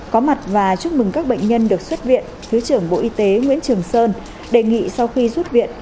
có mặt và chúc mừng các bệnh nhân được xuất viện thứ trưởng bộ y tế nguyễn trường sơn đề nghị sau khi xuất viện